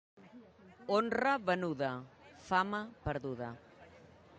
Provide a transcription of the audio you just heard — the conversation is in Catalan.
Honra venuda, fama perduda.